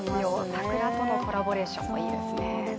桜とのコラボレーションもいいですね。